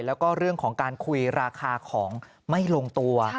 แล้วก็เรื่องของการคุยราคาของไม่ลงตัว